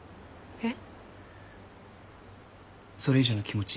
えっ？